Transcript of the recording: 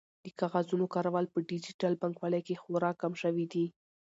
د کاغذونو کارول په ډیجیټل بانکوالۍ کې خورا کم شوي دي.